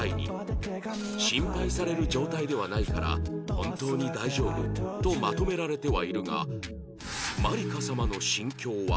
「心配される状態ではないから本当に大丈夫」とまとめられてはいるがまりか様の心境は？